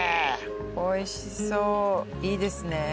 おいしそういいですね。